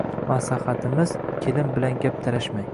Maslahatimiz, kelin bilan gap talashmang